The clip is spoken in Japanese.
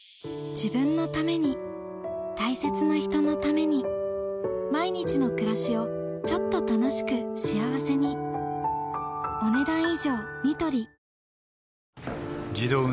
自分のために大切な人のために毎日の暮らしをちょっと楽しく幸せにこれはたくさんのです